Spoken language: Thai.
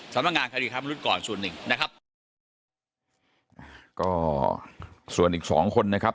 สำนักงานคติธรรมนุษย์ก่อนศูนย์หนึ่งนะครับก็ส่วนอีกสองคนนะครับ